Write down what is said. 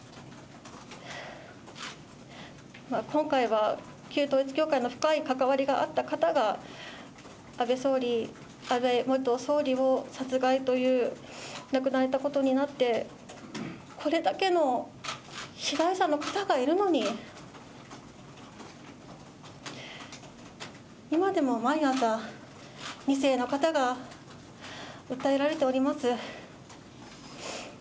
今回は旧統一教会の深い関わりがあった方が安倍総理、安倍元総理を殺害という、亡くなられたことになって、これだけの被害者の方がいるのに、今でも毎朝、２世の方が訴えられております。